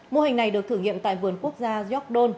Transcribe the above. mô hình này được thử nghiệm tại vườn quốc gia york don